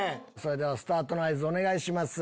スタートの合図お願いします。